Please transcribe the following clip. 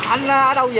anh ở đâu về